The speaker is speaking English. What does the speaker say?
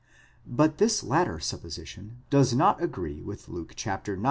But this latter supposition does not agree with Luke ix.